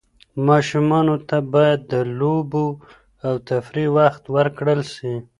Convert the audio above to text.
ماشومانو ته باید د لوبو او تفریح وخت ورکړل سي.